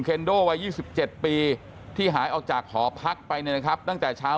โดวัย๒๗ปีที่หายออกจากหอพักไปเนี่ยนะครับตั้งแต่เช้า